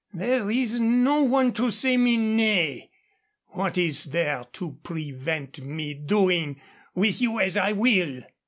There is no one to say me nay. What is there to prevent me doing with you as I will?"